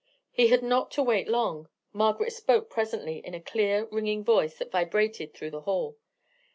He had not to wait long. Margaret spoke presently, in a clear ringing voice, that vibrated through the hall.